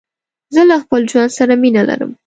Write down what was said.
زه له خپل ژوند سره مينه لرم.